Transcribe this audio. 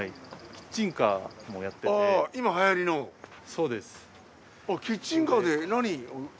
キッチンカーで何を？